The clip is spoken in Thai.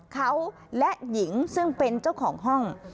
เขาและหญิงซึ่งเป็นเจ้าของห้อง